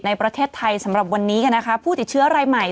ในประเทศไทยสำหรับวันนี้กันนะคะผู้ติดเชื้อรายใหม่